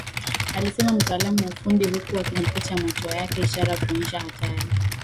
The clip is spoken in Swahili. Alisema mtaalamu wa ufundi huku akifikicha macho yake ishara ya kuonyesha hatari